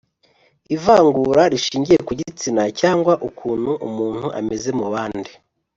ivangura rishingiye ku gitsina cyangwa ukuntu umuntu ameze mu bandi;